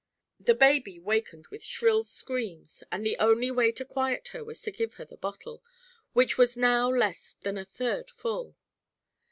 The baby wakened with shrill screams and the only way to quiet her was to give her the bottle, which was now less than a third full.